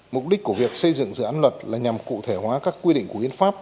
mục đích của việc xây dựng dự án luật là nhằm cụ thể hóa các quy định của hiến pháp